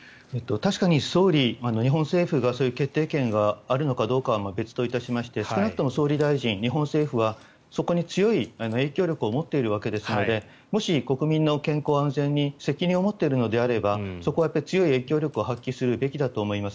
確かに総理、日本政府が決定権があるのかどうかは別として少なくとも総理大臣日本政府はそこに強い影響力を持っているわけですのでもし国民の健康・安全に責任を持っているのであればそこは強い影響力を発揮するべきだと思います。